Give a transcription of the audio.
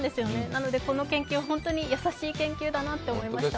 なのでこの研究、本当に優しい研究だなと思いました。